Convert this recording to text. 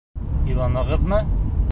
— Иланығыҙмы?